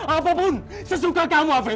apapun sesuka kamu afif